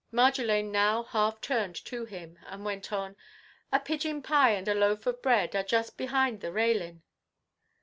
Marjolaine now half turned to him, and went on:— "A pigeon pie and a loaf of bread Are just behind the railin'!"